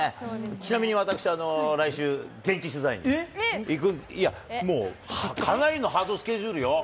ちなみに私、来週、現地取材に行く、いやもう、かなりのハードスケジュールよ。